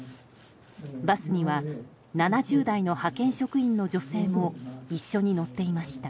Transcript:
バスには７０代の派遣職員の女性も一緒に乗っていました。